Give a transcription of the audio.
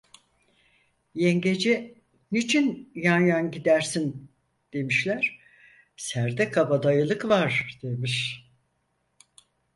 Yengece "niçin yan yan gidersin?" demişler; "serde kabadayılık var" demiş.